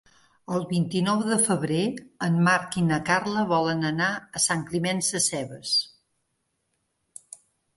El vint-i-nou de febrer en Marc i na Carla volen anar a Sant Climent Sescebes.